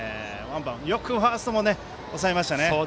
よくファーストも抑えましたね。